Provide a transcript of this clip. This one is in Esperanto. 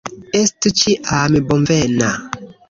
Estu ĉiam bonvena!